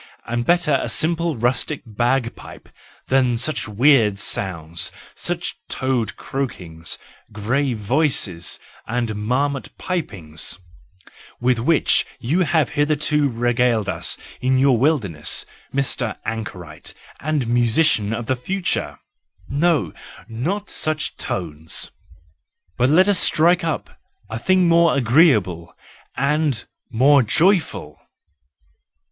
And better a simple rustic bagpipe than such weird sounds, such toad croakings, grave voices and marmot pipings, with which you have hitherto regaled us in your wilder 23 354 THE JOYFUL WISDOM, V ness, Mr Anchorite and Musician of the Future! No! Not such tones! But let us strike up some¬ thing more agreeable and more joyful!"